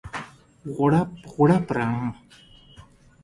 غوړپ، غوړپ رڼا